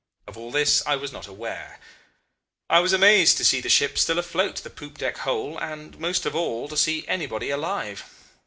Of all this I was not aware. I was amazed to see the ship still afloat, the poop deck whole and, most of all, to see anybody alive.